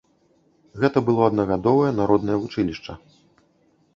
Гэта было аднагадовае народнае вучылішча.